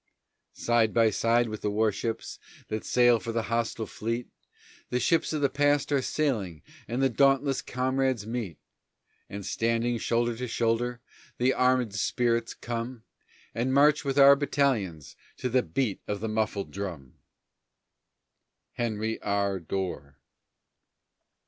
Side by side with the warships That sail for the hostile fleet, The ships of the Past are sailing And the dauntless comrades meet; And standing shoulder to shoulder, The armèd spirits come, And march with our own battalions To the beat of the muffled drum! HENRY R. DORR.